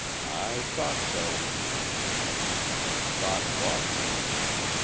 "I thought so." "Thought what?"